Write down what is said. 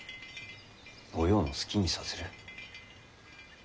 お葉の好きにさせる。